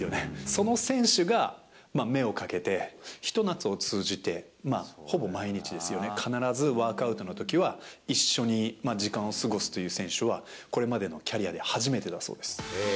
その選手が目をかけて、一夏を通じて、ほぼ毎日ですよね、必ずワークアウトのときは、一緒に時間を過ごすという選手は、これまでのキャリアで初めてだそうです。